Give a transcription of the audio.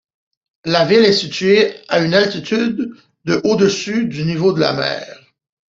La ville est située à une altitude de au-dessus du niveau de la mer.